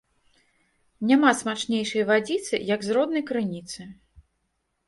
Няма смачнейшай вадзіцы, як з роднай крыніцы